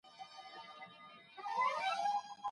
ځوانان کولای سي هېواد اباد کړی.